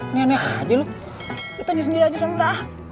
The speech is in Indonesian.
ini aneh aja lo kita di sendiri aja sama enggak